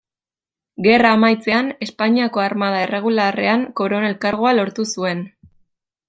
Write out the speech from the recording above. Gerra amaitzean Espainiako armada erregularrean koronel kargua lortu zuen.